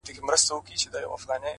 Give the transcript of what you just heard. هغه چي تږې سي اوبه په پټو سترگو څيښي;